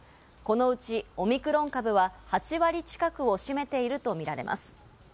このうち、オミクロン株は８割近くを占めているとみられます。